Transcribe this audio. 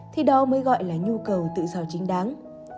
thì đó mới gọi là nhu cầu tự do chính đáng